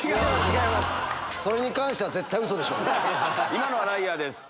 今のはライアーです。